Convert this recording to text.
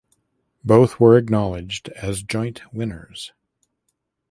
Both were acknowledged as joint winners.